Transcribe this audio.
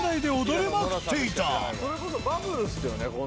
「それこそバブルっすよね？」